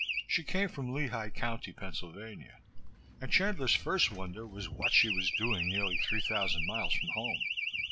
She came from Lehigh County, Pennsylvania, and Chandler's first wonder was what she was doing nearly three thousand miles from home.